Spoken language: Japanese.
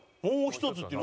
「もう１つ」？